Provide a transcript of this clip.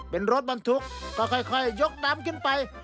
เป็นรถบรรทุกก็ค่อยยกน้ำขึ้นไป